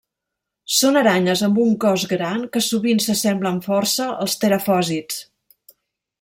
Són aranyes amb un cos gran que sovint s'assemblen força als terafòsids.